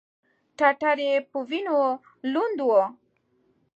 ټټر یې په وینو لوند و.